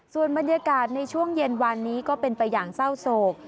ส่วนบรรยากาศในช่วงเย็นวันนี้ก็เป็นไปอย่างเศร้าโศก